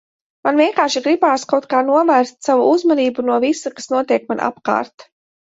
Man vienkārši gribās kaut kā novērst savu uzmanību no visa kas notiek man apkārt.